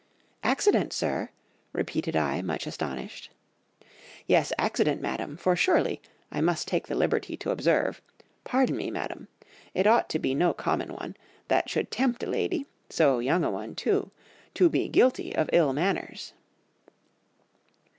"'Accident, sir,' repeated I much astonished. "'Yes, accident, madam,—for surely—I must take the liberty to observe—pardon me, madam,—it ought to be no common one—that should tempt a lady—so young a one too,—to be guilty of ill manners.